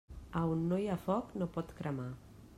A on no hi ha foc, no pot cremar.